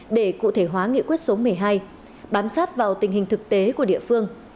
để cụ thể hóa nghị quyết số một mươi hai bám sát vào tình hình thực tế của địa phương